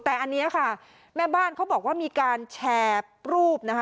แต่อันนี้ค่ะแม่บ้านเขาบอกว่ามีการแชร์รูปนะคะ